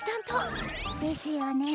ですよね。